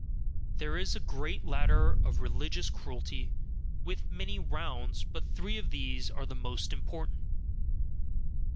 There is a great ladder of religious cruelty, with many rounds; but three of these are the most important.